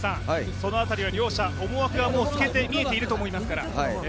その辺りは両者思惑は透けてみえていると思いますから。